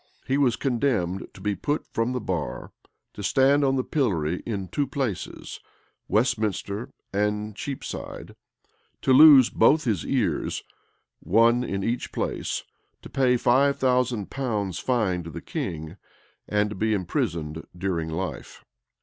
He was condemned to be put from the bar; to stand on the pillory in two places, Westminster and Cheapside; to lose both his ears, one in each place; to pay five thousand pounds' fine to the king; and to be imprisoned during life.